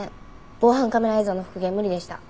防犯カメラ映像の復元無理でした。